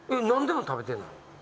何でも食べてんの？